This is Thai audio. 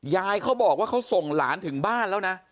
เขาบอกว่าเขาส่งหลานถึงบ้านแล้วนะ